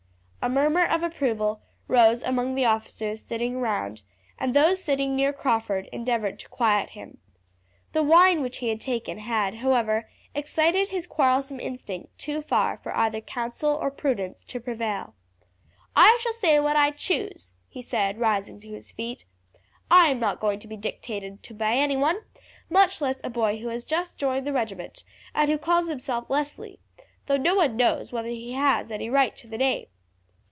A murmur of approval rose among the officers sitting round, and those sitting near Crawford endeavoured to quiet him. The wine which he had taken had, however, excited his quarrelsome instinct too far for either counsel or prudence to prevail. "I shall say what I choose," he said, rising to his feet. "I am not going to be dictated to by anyone, much less a boy who has just joined the regiment, and who calls himself Leslie, though no one knows whether he has any right to the name."